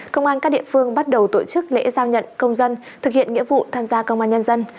công an các địa phương bắt đầu tổ chức lễ giao nhận công dân thực hiện nghĩa vụ tham gia công an nhân dân